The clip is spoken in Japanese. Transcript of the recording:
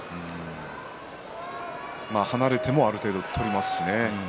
離れてもある程度、取りますしね。